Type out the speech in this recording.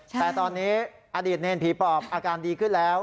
แต่ตอนนี้อดีตเนรผีปอบอาการดีขึ้นแล้ว